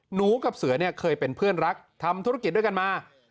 หนูกับเสือเนี่ยเคยเป็นเพื่อนรักทำธุรกิจด้วยกันมา